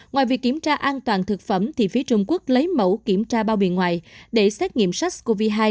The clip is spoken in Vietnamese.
ngoài việc kiểm tra an toàn thực phẩm thì phía trung quốc lấy mẫu kiểm tra bao bì ngoại để xét nghiệm sars cov hai